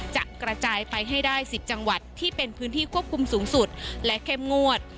จะกระจายไปให้ได้๑๐จังหวัดที่เป็นพื้นที่ควบคุมสูงสุดและเข้มงวด